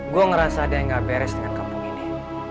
gue ngerasa ada yang gak beres dengan kampung ini